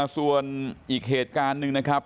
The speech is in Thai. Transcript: ส่วนอีกเหตุการณ์หนึ่งนะครับ